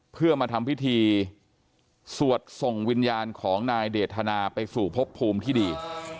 เพื่อมาทำพิธีสวดส่งวิญญาณของนายเดทนาไปสู่พบภูมิที่ดี